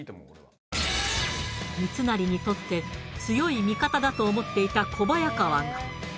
三成にとって強い味方だと思っていた小早川が。